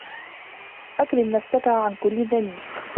أكرم نفسك عن كل دنيء